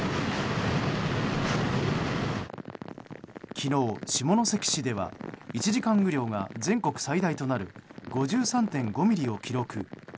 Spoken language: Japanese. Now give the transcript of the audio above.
昨日、下関市では１時間雨量が全国最大となる５３．５ミリを記録。